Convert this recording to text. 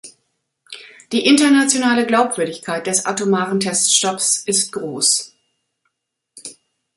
Die internationale Glaubwürdigkeit des atomaren Teststopps ist groß.